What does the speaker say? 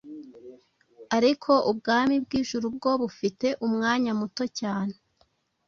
ariko ubwami bw’ijuru bwo bufite umwanya muto cyane.